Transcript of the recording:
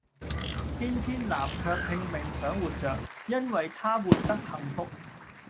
偏偏南卻拼命想活著，因為她活得幸福